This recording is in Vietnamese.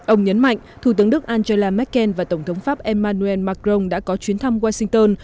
ông nhấn mạnh thủ tướng đức angela merkel và tổng thống pháp emmanuel macron đã có chuyến thăm washington